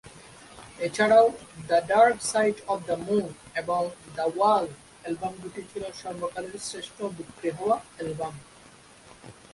এছাড়াও "the dark side of the moon" এবং "the wall" album দুটি ছিল সর্বকালের শ্রেষ্ঠ-বিক্রি হওয়া অ্যালবাম।